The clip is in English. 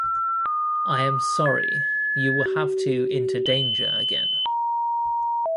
I am sorry you will have to into danger again.